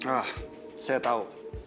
ah saya tahu